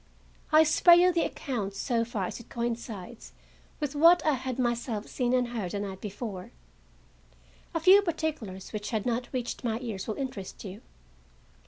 I spare you the account so far as it coincides with what I had myself seen and heard the night before. A few particulars which had not reached my ears will interest you.